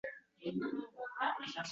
Biqirlab, ellarni qilmishdir halak.